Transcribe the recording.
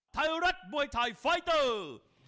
ไทยรัฐมวยไทยไฟเตอร์